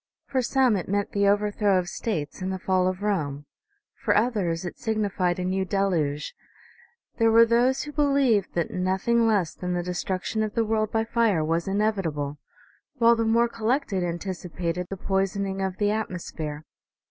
For some it meant the overthrow of states and the fall of Rome ; for others it signified a new deluge; there were those who believed that nothing less than the destruction of the world by fire was inevitable ; while the more collected anticipated the poisoning of the atmosphere.